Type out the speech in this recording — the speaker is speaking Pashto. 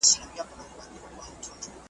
ایا د تبریز حاکم په جنګ کې ژوندی ونیول شو؟